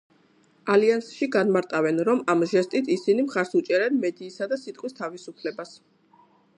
ალიანსში განმარტავენ, რომ ამ ჟესტით, ისინი მხარს უჭერენ მედიისა და სიტყვის თავისუფლებას.